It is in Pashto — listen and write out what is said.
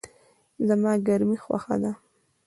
زما ګرمی خوښه ده